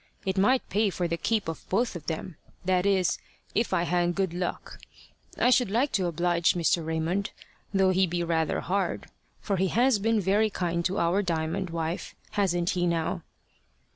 It might pay for the keep of both of them, that is, if I had good luck. I should like to oblige Mr. Raymond, though he be rather hard, for he has been very kind to our Diamond, wife. Hasn't he now?"